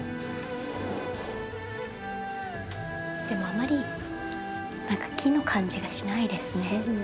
でもあまり木の感じがしないですね。